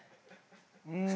うん。